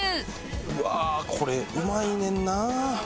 うわーこれうまいねんなあ！